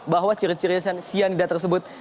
bahwa ciri ciri cyanida tersebut